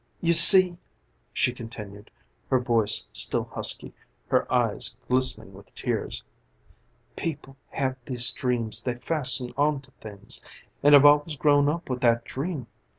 You see," she continued, her voice still husky, her eyes glistening with tears, "people have these dreams they fasten onto things, and I've always grown up with that dream.